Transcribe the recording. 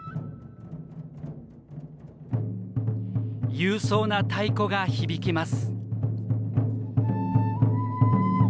勇壮な太鼓が響きます。